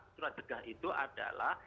tersangka itu adalah